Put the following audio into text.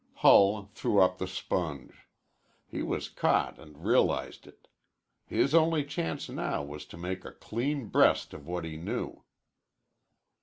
Hull threw up the sponge. He was caught and realized it. His only chance now was to make a clean breast of what he knew.